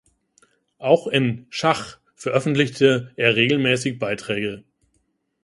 Auch in "Schach" veröffentlichte er regelmäßig Beiträge.